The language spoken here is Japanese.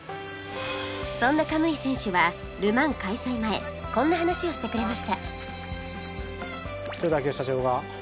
そんな可夢偉選手はル・マン開催前こんな話をしてくれました